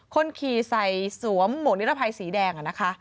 คนขี่ใส่สวมหมวกนิรภัยสีแดงนะคะ